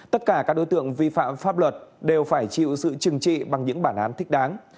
tất cả các đối tượng vi phạm pháp luật đều phải chịu sự trừng trị bằng những bản án thích đáng